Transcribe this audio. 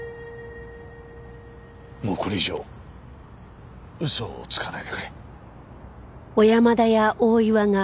もうこれ以上嘘をつかないでくれ。